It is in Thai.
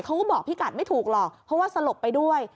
เขาก็บอกพี่กัดไม่ถูกหรอกเพราะว่าสลบไปด้วย